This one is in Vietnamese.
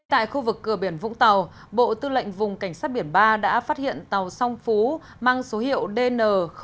tại khu vực cửa biển vũng tàu bộ tư lệnh vùng cảnh sát biển ba đã phát hiện tàu song phú mang số hiệu dn tám trăm ba mươi tám